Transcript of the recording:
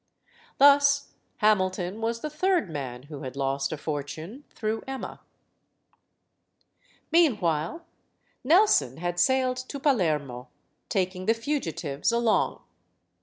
Thus, Hamilton was the third man who had lost a fortune through Emma. Meanwhile, Nelson had sailed to Palermo, taking the fugitives along.